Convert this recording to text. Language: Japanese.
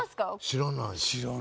知らない。